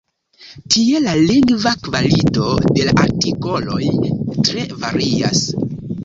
Tie la lingva kvalito de la artikoloj tre varias.